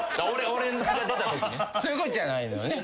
そういうこっちゃないのよね。